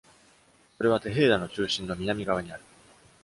それはテヘーダの中心の南側にある。